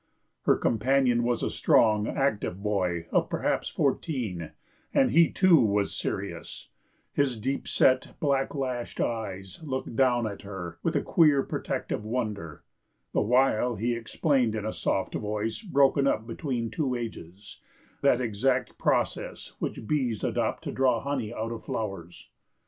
Her companion was a strong, active boy of perhaps fourteen, and he, too, was serious—his deep set, blacklashed eyes looked down at her with a queer protective wonder; the while he explained in a soft voice broken up between two ages, that exact process which bees adopt to draw honey out of flowers.